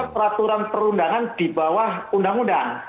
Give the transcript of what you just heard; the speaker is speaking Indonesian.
peraturan perundangan di bawah undang undang